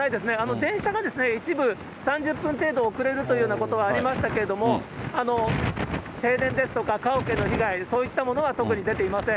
電車が一部３０分程度遅れるというようなことがありましたけれども、停電ですとか、家屋への被害、そういったものは特に出ていません。